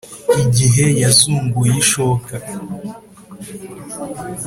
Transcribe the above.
igihe yazunguye ishoka